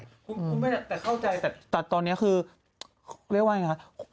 คุณแม่แต่เข้าใจแต่ตอนนี้คือเรียกว่าไงคะ